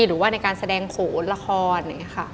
หรือว่าในการแสดงโขละละคร